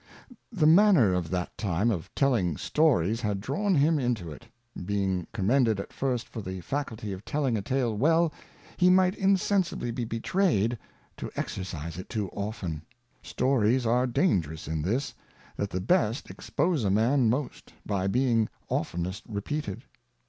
The manner of that time of telling Stories, had drawn him into it ; being commended at first for the Faculty of telling a Tale well, he might insensibly be betrayed to exercise it too often. Stories are dangerous in this, that the best expose a Man most, by being oftenest repeated.